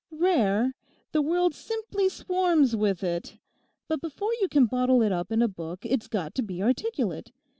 'Rare! the world simply swarms with it. But before you can bottle it up in a book it's got to be articulate.